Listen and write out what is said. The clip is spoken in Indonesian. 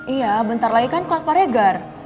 iya bentar lagi kan kelas paregar